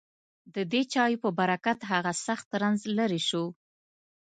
ددې چایو په برکت هغه سخت رنځ لېرې شو.